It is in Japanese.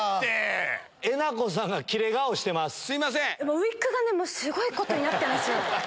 ウイッグがねすごいことになってますよ。